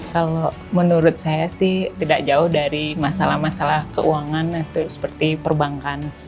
kalau menurut saya sih tidak jauh dari masalah masalah keuangan atau seperti perbankan